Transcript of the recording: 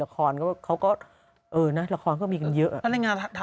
เขาก็เออนะละครก็มีกันเยอะ